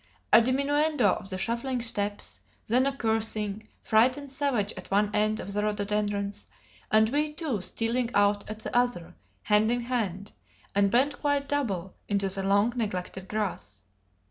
A diminuendo of the shuffling steps; then a cursing, frightened savage at one end of the rhododendrons, and we two stealing out at the other, hand in hand, and bent quite double, into the long neglected grass.